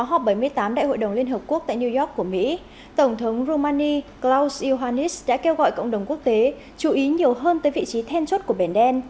trong họp bảy mươi tám đại hội đồng liên hợp quốc tại new york của mỹ tổng thống romani chlauhanis đã kêu gọi cộng đồng quốc tế chú ý nhiều hơn tới vị trí then chốt của biển đen